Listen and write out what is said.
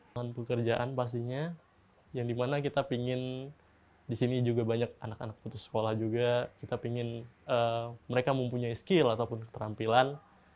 non pekerjaan pastinya yang dimana kita ingin disini juga banyak anak anak putus sekolah juga kita ingin mereka mempunyai skill ataupun keterampilan